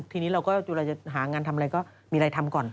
ทีนี้เราก็เวลาจะหางานทำอะไรก็มีอะไรทำก่อน